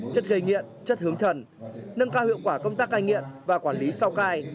chất gây nghiện chất hướng thần nâng cao hiệu quả công tác cai nghiện và quản lý sau cai